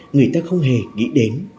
người ta không hề nghĩ đến